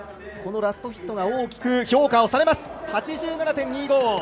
このラストヒットが大きく評価をされました。